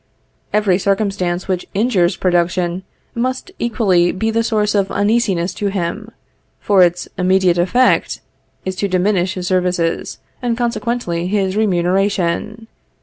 Every circumstance which injures production, must equally be the source of uneasiness to him; for its immediate effect is to diminish his services, and consequently his remuneration.